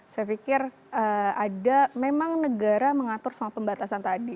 saya pikir ada memang negara mengatur soal pembatasan tadi